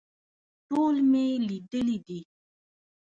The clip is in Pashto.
ټول مې لیدلي دي.